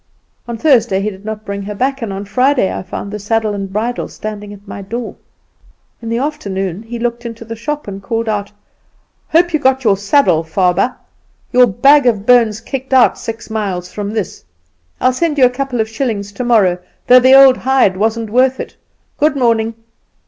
On Thursday he did not bring her back, and on Friday I found the saddle and bridle standing at my door. "In the afternoon he looked into the shop, and called out: 'Hope you got your saddle, Farber? Your bag of bones kicked out six miles from here. I'll send you a couple of shillings tomorrow, though the old hide wasn't worth it. Good morning.